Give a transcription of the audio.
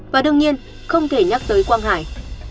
và đương nhiên không thể nhắc tới quang hải